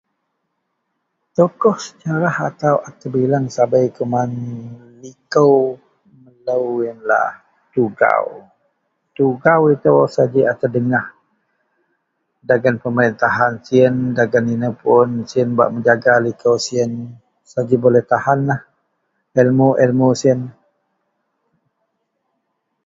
tokoh Sejarah atau a terbilang sabei kuman liko melou ienlah tugau, tugau itou sajilah a terdengah dagen pemerintahan siyen dagen inou pun sien bak mejaga liko siyen saji boleh tahanlah ilmu-ilmu siyen